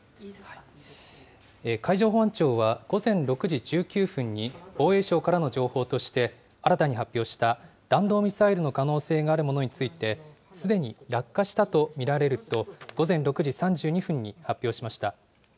海上保安庁は、午前６時１９分に防衛省からの情報として、新たに発表した弾道ミサイルの可能性があるものについて、すでに落下したと見られると、午前６時３２分に発表しました。